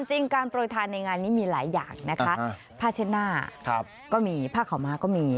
จริงการปล่อยทานในงานนี้มีหลายอย่างนะฮะภาชนะครับก็มีภาคขอมฮาก็มี